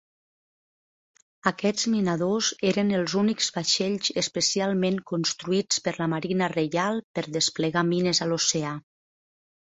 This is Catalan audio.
Aquests minadors eren els únics vaixells especialment construïts per la Marina Reial per desplegar mines a l'oceà.